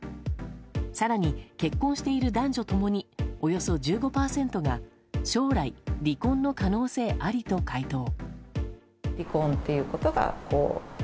更に、結婚している男女共におよそ１５％が将来、離婚の可能性ありと回答。